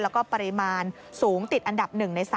แล้วก็ปริมาณสูงติดอันดับ๑ใน๓